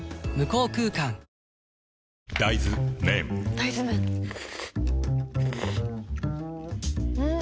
大豆麺ん？